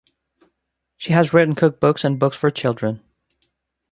She has written cookbooks and books for children.